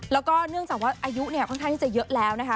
แล้วก็เนื่องจากว่าอายุเนี่ยค่อนข้างที่จะเยอะแล้วนะคะ